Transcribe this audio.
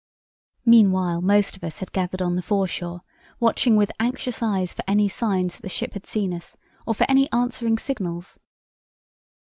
"Meanwhile most of us had gathered on the foreshore watching with anxious eyes for any signs that the ship had seen us, or for any answering signals.